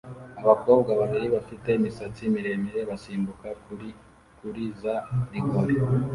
Abakobwa babiri bafite imisatsi miremire basimbuka kuri kuri za rigore